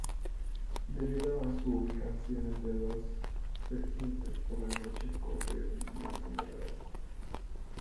Debido a su ubicación entre dos vertientes por las noches corre un viento moderado.